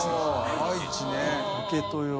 愛知ね。